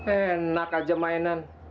enak aja mainan